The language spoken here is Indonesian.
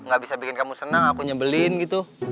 gak bisa bikin kamu senang aku nyebelin gitu